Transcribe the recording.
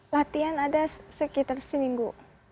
latihan ada sekitar seminggu